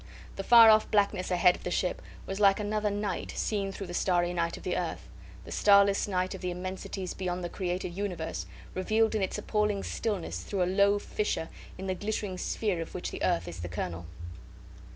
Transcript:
The far off blackness ahead of the ship was like another night seen through the starry night of the earth the starless night of the immensities beyond the created universe, revealed in its appalling stillness through a low fissure in the glittering sphere of which the earth is the kernel.